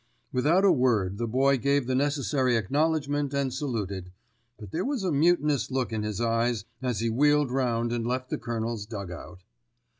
Without a word the Boy gave the necessary acknowledgment and saluted, but there was a mutinous look in his eyes as he wheeled round and left the Colonel's dug out.